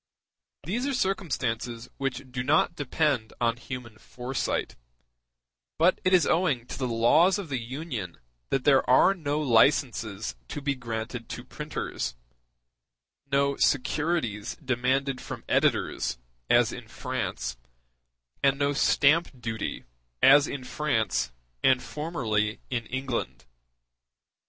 These are circumstances which do not depend on human foresight; but it is owing to the laws of the Union that there are no licenses to be granted to printers, no securities demanded from editors as in France, and no stamp duty as in France and formerly in England.